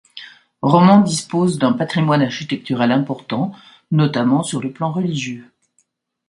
Roman dispose d'un patrimoine architectural important, notamment sur le plan religieux.